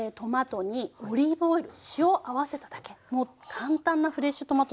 もう簡単なフレッシュトマトソースです。